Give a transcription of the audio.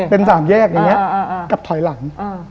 เป็นสามแยกอย่างนี้กับถอยหลัง